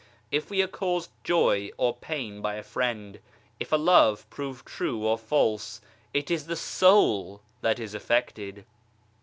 If we are caused joy or pain by a friend, if a love prove true or false, it is the soul that is affected.